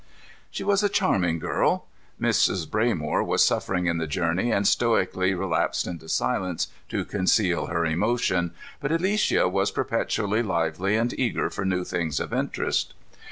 She was a charming girl. Mrs. Braymore was suffering in the journeying and stoically relapsed into silence to conceal her emotion, but Alicia was perpetually lively and eager for new things of interest.